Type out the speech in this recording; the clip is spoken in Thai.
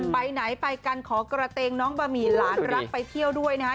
ไปไหนไปกันขอกระเตงน้องบะหมี่หลานรักไปเที่ยวด้วยนะฮะ